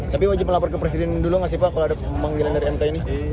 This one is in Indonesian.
tapi wajib melapor ke presiden dulu gak sih pak kalau ada pemanggilan dari mk ini